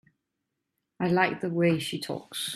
I like the way she talks.